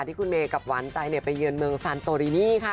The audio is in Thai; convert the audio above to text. ที่คุณเมย์กับหวานใจไปเยือนเมืองซานโตรินีค่ะ